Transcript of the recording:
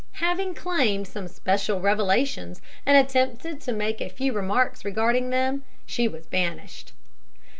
Having claimed some special revelations and attempted to make a few remarks regarding them, she was banished.